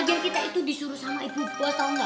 biar kita itu disuruh sama ibu bos tau gak